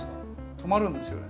止まるんですよね。